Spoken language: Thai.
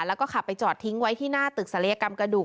แล้วก็ขับไปจอดทิ้งไว้ที่หน้าตึกศัลยกรรมกระดูก